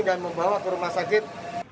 dan membawa ke rumah sakit